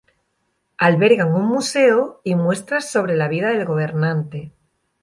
Albergan un museo y muestras sobre la vida del gobernante.